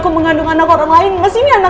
kamu tenang dulu ya